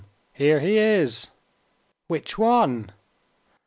"Here he is!" "Which one?"